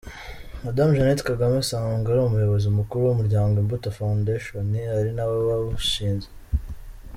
Madame Jeannette Kagame asanzwe ari umuyobozi mukuru w’umuryango Imbuto Fowundeshoni, ari nawe wawushinze.